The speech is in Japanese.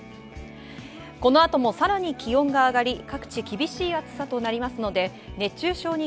この後もさらに気温が上がり各地厳しい暑さとなりますので、熱中症に